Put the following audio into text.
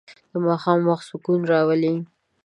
د ماښام وخت سکون راولي.